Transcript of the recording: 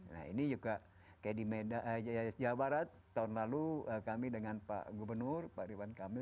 nah ini juga kayak di medan jawa barat tahun lalu kami dengan pak gubernur pak ridwan kamil